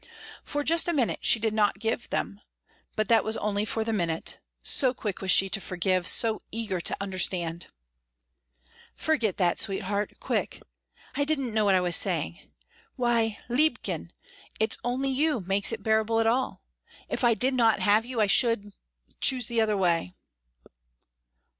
For just a minute she did not give them, but that was only for the minute so quick was she to forgive, so eager to understand. "Forget that, sweetheart quick. I didn't know what I was saying. Why, liebchen it's only you makes it bearable at all. If I did not have you I should choose the other way."